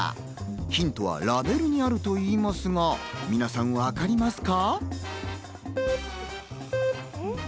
ヒントはラベルにあるといいますが、皆さん、わかりますか？